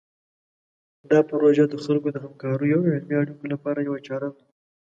دا پروژه د خلکو د همکاریو او علمي اړیکو لپاره یوه چاره ده.